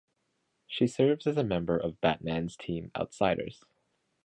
She serves as a member of Batman's team Outsiders.